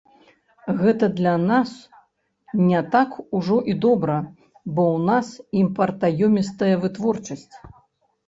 Гэта для нас не так ужо і добра, бо ў нас імпартаёмістая вытворчасць.